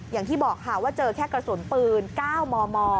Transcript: อย่างที่บอกค่ะว่าเจอแค่กระสุนปืน๙มม